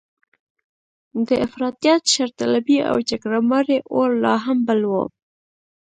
د افراطیت، شرطلبۍ او جګړه مارۍ اور لا هم بل و.